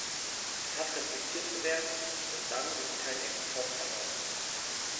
Es hat respektiert zu werden, und dann ist kein Export erlaubt.